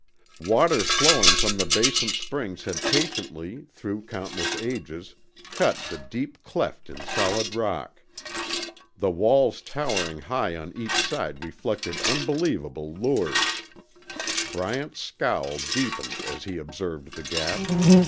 Water flowing from the basin springs had patiently, through countless ages, cut the deep cleft in solid rock. The walls towering high on each side reflected unbelievable hues. Bryant's scowl deepened as he observed the Gap.